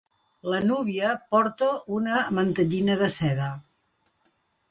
La núvia porta una mantellina de seda.